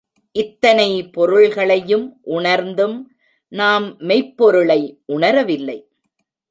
இத்தனை பொருள்களையும் உணர்ந்தும் நாம் மெய்ப்பொருளை உணரவில்லை.